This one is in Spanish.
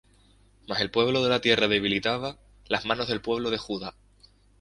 Mas el pueblo de la tierra debilitaba las manos del pueblo de Judá.